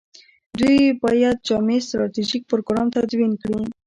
دوی باید جامع ستراتیژیک پروګرام تدوین کړي.